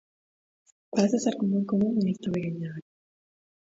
Parece ser muy común en esta pequeña área.